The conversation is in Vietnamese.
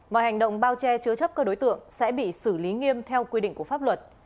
mọi hành động bao che chứa chấp các đối tượng sẽ bị xử lý nghiêm theo quy định của pháp luật